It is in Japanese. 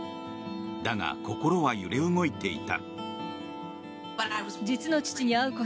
だが、心は揺れ動いていた。